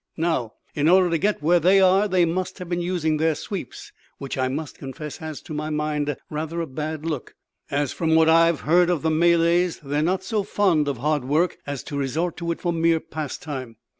Now, in order to get where they are they must have been using their sweeps; which, I must confess, has, to my mind, rather a bad look; as, from what I have heard of the Malays, they are not so fond of hard work as to resort to it for mere pastime.